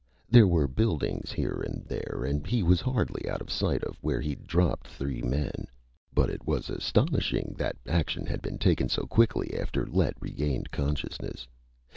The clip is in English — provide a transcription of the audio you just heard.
There were buildings here and there, and he was hardly out of sight of where he'd dropped three men. But it was astonishing that action had been taken so quickly after Lett regained consciousness.